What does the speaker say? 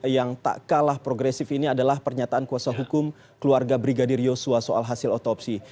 yang tak kalah progresif ini adalah pernyataan kuasa hukum keluarga brigadir yosua soal hasil otopsi